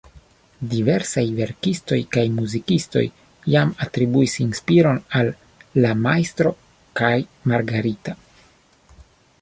Diversaj verkistoj kaj muzikistoj jam atribuis inspiron al "La Majstro kaj Margarita".